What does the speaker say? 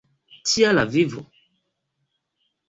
Tia la vivo!